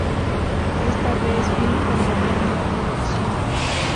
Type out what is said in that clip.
Esta vez, Byng convocó una elección.